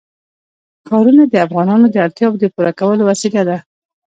ښارونه د افغانانو د اړتیاوو د پوره کولو وسیله ده.